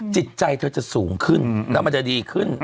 จิตใจเธอจะสูงขึ้นแล้วมันจะดีขึ้น